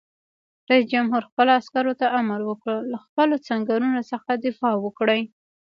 رئیس جمهور خپلو عسکرو ته امر وکړ؛ له خپلو سنگرونو څخه دفاع وکړئ!